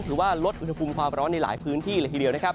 ว่าลดอุณหภูมิความร้อนในหลายพื้นที่เลยทีเดียวนะครับ